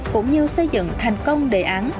cũng như xây dựng thành công đề án